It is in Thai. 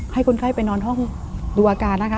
ให้คนไข้ไปนอนห้องดูอาการนะคะ